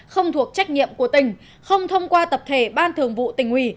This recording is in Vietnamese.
không thuộc trách nhiệm của tỉnh không thông qua tập thể ban thường vụ tỉnh ủy